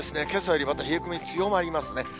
けさよりまた冷え込み強まりますね。